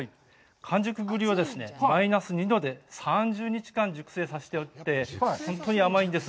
完熟栗はマイナス２度で３０日間、熟成して、本当に甘いんです。